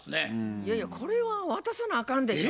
いやいやこれは渡さなあかんでしょ。え？